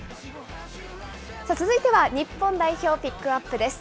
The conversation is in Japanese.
続いては日本代表ピックアップです。